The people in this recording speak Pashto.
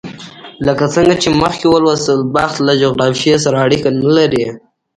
لکه څرنګه چې مخکې ولوستل، بخت له جغرافیې سره اړیکه نه لري.